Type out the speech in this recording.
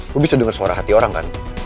lo bisa denger suara hati orang kan